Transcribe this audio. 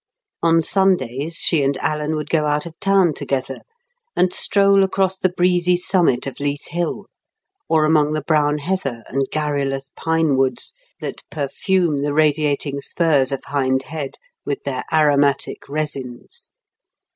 On Sundays, she and Alan would go out of town together, and stroll across the breezy summit of Leith Hill, or among the brown heather and garrulous pine woods that perfume the radiating spurs of Hind Head with their aromatic resins.